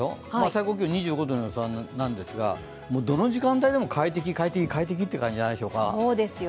最高気温２５度ぐらいの予想なんですがどの時間帯でも快適、快適って感じじゃないでしょうか。